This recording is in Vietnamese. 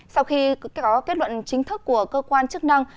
sau khi có kết luận chính thức của cơ quan chức năng